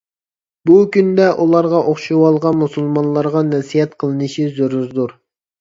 بۇ كۈندە ئۇلارغا ئوخشىۋالغان مۇسۇلمانلارغا نەسىھەت قىلىنىشى زۆرۈردۇر.